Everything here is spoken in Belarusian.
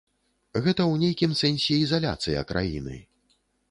Гэта ў нейкім сэнсе ізаляцыя краіны.